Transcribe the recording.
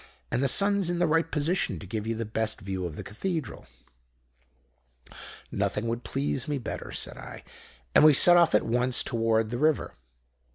And the sun's in the right position to give you the best view of the Cathedral.' "'Nothing would please me better,' said I; and we set off at once toward the river.